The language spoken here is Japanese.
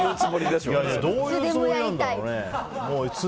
どういうつもりなんだろうね。